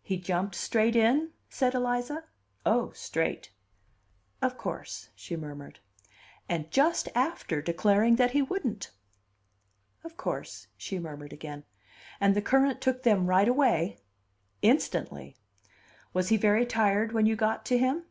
"He jumped straight in?" said Eliza. "Oh, straight!" "Of course," she murmured. "And just after declaring that he wouldn't." "Of course," she murmured again. "And the current took them right away?" "Instantly." "Was he very tired when you got to him?"